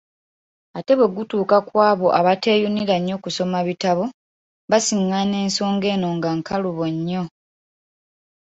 Ate bwe gutuuka kwabo abateeyunira nnyo kusoma bitabo, basiŋŋaana ensonga eno nga nkalubo nnyo.